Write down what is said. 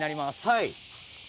はい。